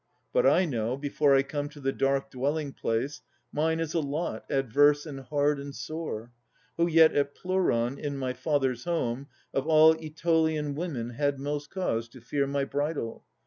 But I know, Before I come to the dark dwelling place, Mine is a lot, adverse and hard and sore. Who yet at Pleuron, in my father's home, Of all Aetolian women had most cause To fear my bridal.